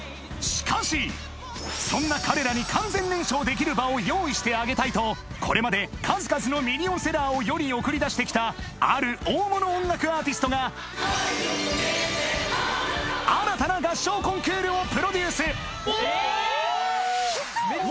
しかしそんな彼らに完全燃焼できる場を用意してあげたいとこれまで数々のミリオンセラーを世に送り出してきたある大物音楽アーティストが愛をこめて花束を新たな合唱コンクールをプロデュースえっえっ嘘！